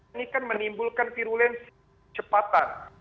ini kan menimbulkan virulensi cepatan